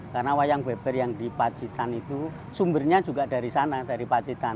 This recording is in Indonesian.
karena wayang beber yang di pacitan itu sumbernya juga dari sana dari pacitan